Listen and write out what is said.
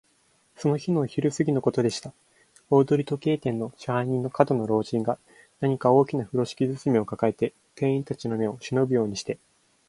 その日のお昼すぎのことでした。大鳥時計店の支配人の門野老人が、何か大きなふろしき包みをかかえて、店員たちの目をしのぶようにして、